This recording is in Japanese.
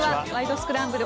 スクランブル」